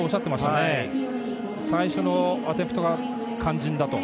最初のアテンプトが肝心だと。